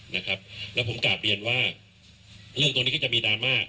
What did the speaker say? นะครับแล้วผมกลับเรียนว่าเรื่องตัวนี้ก็จะมีดราม่า